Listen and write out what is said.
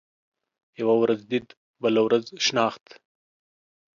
يوه ورځ ديد ، بله ورځ شناخت.